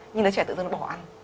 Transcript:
nhưng nếu trẻ tự dưng nó bỏ ăn